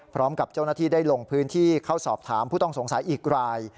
พร้อมกับเจ้าหน้าที่ได้ลงพื้นที่เข้าสอบถามผู้ต้องสงสัยอีกราย